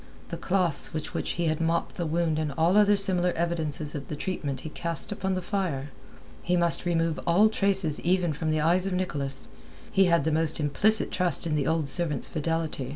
The cloths with which he had mopped the wound and all other similar evidences of the treatment he cast upon the fire. He must remove all traces even from the eyes of Nicholas. He had the most implicit trust in the old servant's fidelity.